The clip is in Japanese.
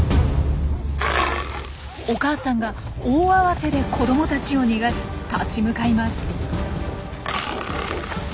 お母さんが大慌てで子どもたちを逃がし立ち向かいます。